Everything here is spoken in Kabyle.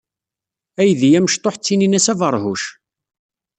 Aydi amecṭuḥ ttinin-as abeṛhuc.